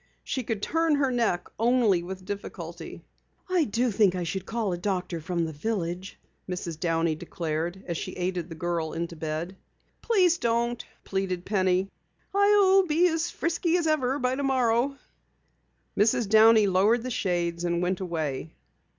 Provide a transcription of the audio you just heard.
She could turn her neck only with difficulty. "I do think I should call a doctor from the village," Mrs. Downey declared as she aided the girl into bed. "Please, don't," pleaded Penny. "I'll be as frisky as ever by tomorrow." Mrs. Downey lowered the shades and went away.